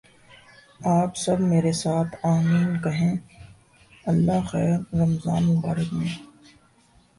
آپ سب میرے ساتھ "آمین" کہیں اللہ خیر! رمضان المبارک میں